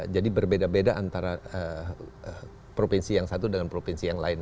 jadi berbeda beda antara provinsi yang satu dengan provinsi yang lain